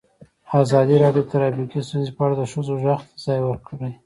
ازادي راډیو د ټرافیکي ستونزې په اړه د ښځو غږ ته ځای ورکړی.